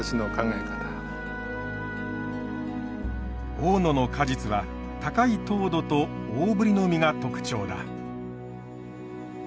大野の果実は高い糖度と大ぶりの実が特徴だ。